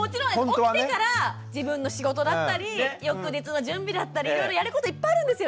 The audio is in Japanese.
起きてから自分の仕事だったり翌日の準備だったりいろいろやることいっぱいあるんですよ。